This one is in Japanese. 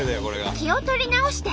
気を取り直して。